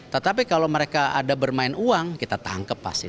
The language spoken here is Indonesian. tetapi kalau mereka ada bermain uang kita tangkep pasti